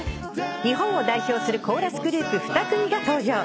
日本を代表するコーラスグループ二組が登場。